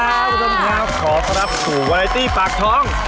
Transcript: สวัสดีครับขอสนับสู่วัลละอีตี้ปากท้อง